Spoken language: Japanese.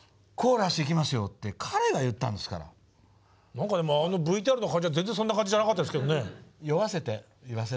何かでもあのＶＴＲの感じは全然そんな感じじゃなかったですけどね。